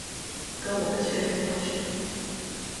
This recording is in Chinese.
跟我们确认要去哪